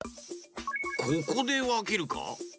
ここでわけるか？